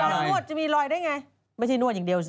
นวดจะมีรอยได้ไงไม่ใช่นวดอย่างเดียวสิ